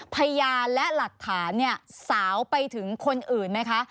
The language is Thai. พยานและหลักฐานเนี่ยสาวไปถึงคนอื่นไหมคะ